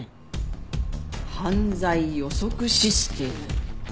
「犯罪予測システム」。